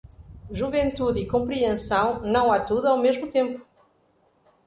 Juventude e compreensão, não há tudo ao mesmo tempo.